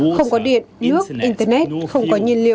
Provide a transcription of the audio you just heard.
không có điện nước internet không có nhiên liệu